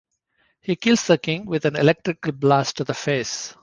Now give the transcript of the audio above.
He kills the King with an electrical blast to the face.